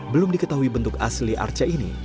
belum diketahui bentuk asli arca ini